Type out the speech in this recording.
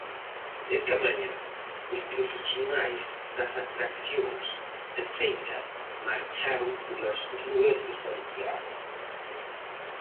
Esta mañá, os profesionais das atraccións de feira marcharon polas rúas de Santiago.